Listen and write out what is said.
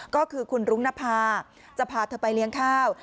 ก็คือคุณรุ้งนภาจะพาเธอไปเลี้ยงข้าว